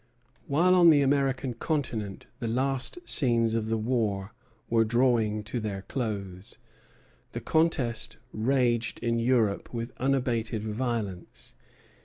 While on the American continent the last scenes of the war were drawing to their close, the contest raged in Europe with unabated violence.